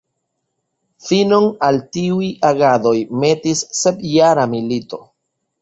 Finon al tiuj agadoj metis Sepjara milito.